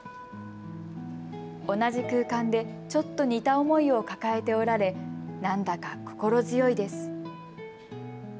同じ空間で、ちょっと似た思いを抱えておられ、なんだか心強いです。